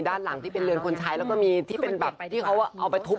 แล้วล่างที่เป็นเรือนคนใช้มีที่เป็นดาบที่เขาเอาไปทุกต์